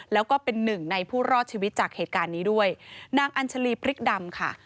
แล้วก็เป็นหนึ่งในผู้รอดชีวิตจากเหตุการณ์นี้ด้วยนางอัญชาลีพริกดำค่ะ